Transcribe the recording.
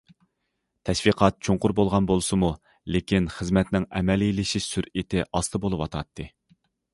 تەشۋىقات چوڭقۇر بولغان بولسىمۇ، لېكىن خىزمەتنىڭ ئەمەلىيلىشىش سۈرئىتى ئاستا بولۇۋاتاتتى.